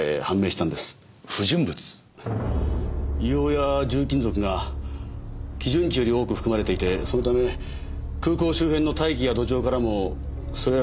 硫黄や重金属が基準値より多く含まれていてそのため空港周辺の大気や土壌からもそれらの成分が。